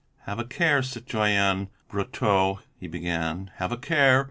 "Have a care, citoyen Brotteaux," he began, "have a care!